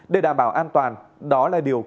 để đảm bảo an toàn đó là điều cực